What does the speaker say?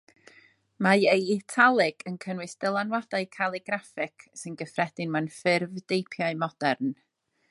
Mae ei italig yn cynnwys dylanwadau caligraffig, sy'n gyffredin mewn ffurfdeipiau modern.